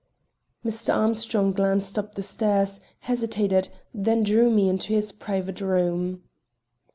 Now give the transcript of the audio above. Mr. Armstrong glanced up the stairs, hesitated, then drew me into his private room.